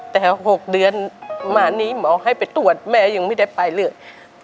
แต่๖เดือนมานี้หมอให้ไปตรวจแม่ยังไม่ได้ไปเลย